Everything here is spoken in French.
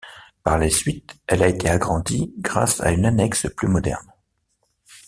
Par la suite, elle a été agrandie grâce à une annexe plus moderne.